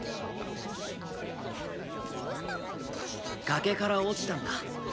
崖から落ちたんだ。